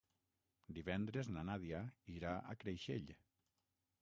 Divendres na Nàdia irà a Creixell.